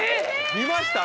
見ました？